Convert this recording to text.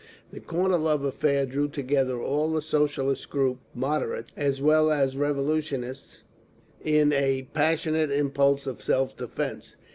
The Kornilov affair drew together all the Socialist groups—"moderates" as well as revolutionists—in a passionate impulse of self defence.